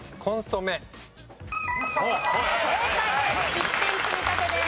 １点積み立てです。